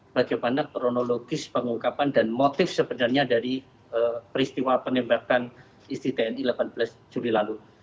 bagaimana kronologis pengungkapan dan motif sebenarnya dari peristiwa penembakan istri tni delapan belas juli lalu